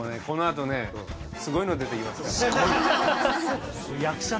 このあとねすごいの出てきますから。